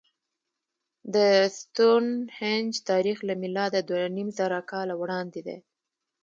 د ستونهنج تاریخ له میلاده دوهنیمزره کاله وړاندې دی.